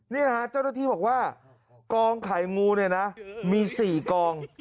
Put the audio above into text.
นี่นะฮะเจ้าหน้าที่บอกว่ากองไข่งูเนี่ยนะมี๔กอง